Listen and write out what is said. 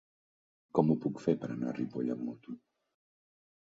Com ho puc fer per anar a Ripoll amb moto?